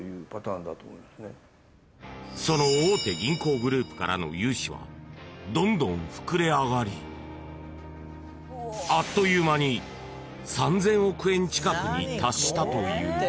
［その大手銀行グループからの融資はどんどん膨れ上がりあっという間に３，０００億円近くに達したという］